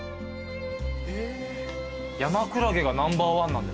山クラゲがナンバーワンなんですか。